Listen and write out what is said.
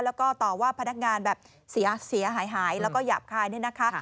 แล้วก็ต่อว่าพนักงานแบบเสียหายแล้วก็หยาบคายเนี่ยนะคะ